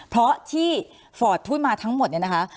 เพราะที่ฟอร์ตพูดมาทั้งหมดเนี่ยนะคะ